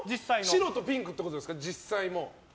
白とピンクってことですか？